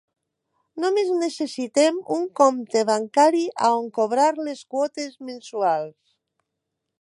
Només necessitem un compte bancari a on cobrar les quotes mensuals.